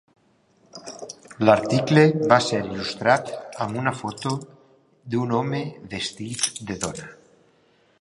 L'article va ser il·lustrat amb una foto d'un home vestit de dona.